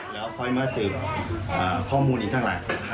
แล้วค่อยมาสืบข้อมูลอีกทั้งหลาย